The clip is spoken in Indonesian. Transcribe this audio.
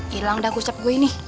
hilang dah usep gue ini